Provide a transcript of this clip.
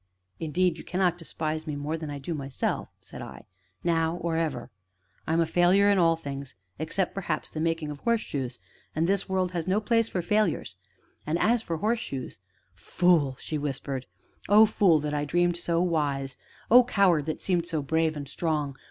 "Indeed, you cannot despise me more than I do myself," said I, "now, or ever; I am a failure in all things, except, perhaps, the making of horseshoes and this world has no place for failures and as for horseshoes " "Fool," she whispered. "Oh, fool that I dreamed so wise! Oh, coward that seemed so brave and strong!